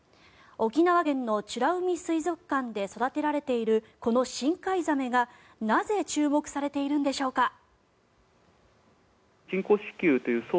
沖縄県の美ら海水族館で育てられているこの深海ザメがなぜ注目されているんでしょうか。